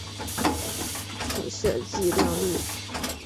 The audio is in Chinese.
辐射剂量率。